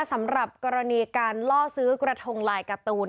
สำหรับกรณีการล่อซื้อกระทงลายการ์ตูน